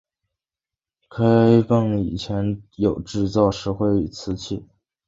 开埠以前有制造石灰与瓷器。